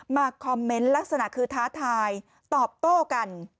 มาคอมเมนต์ลักษณะคือท้าทายตอบโต้กัน